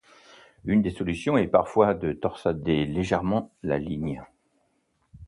Une des solutions est parfois de torsader légèrement la ligne.